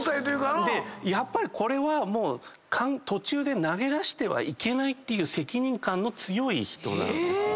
やっぱりこれは途中で投げ出してはいけないっていう責任感の強い人なんですね。